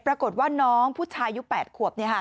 ปรากฏว่าน้องผู้ชายอายุ๘ขวบ